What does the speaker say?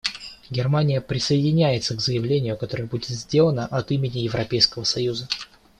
Германия присоединяется к заявлению, которое будет сделано от имени Европейского Союза.